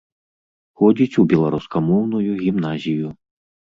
Ходзіць у беларускамоўную гімназію.